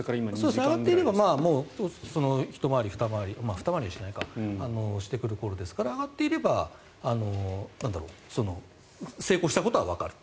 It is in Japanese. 上がっていればひと回り、ふた回りしてくる頃ですから上がっていれば成功したことはわかる。